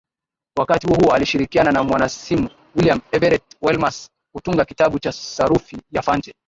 Wakati huohuo alishirikiana na mwanaisimu William Everett Welmers kutunga kitabu cha sarufi ya Fante